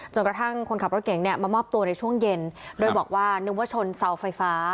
กระทั่งคนขับรถเก่งเนี่ยมามอบตัวในช่วงเย็นโดยบอกว่านึกว่าชนเสาไฟฟ้า